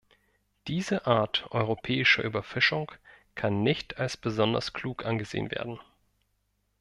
Diese Art europäischer Überfischung kann nicht als besonders klug angesehen werden.